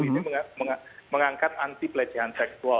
ini mengangkat anti pelecehan seksual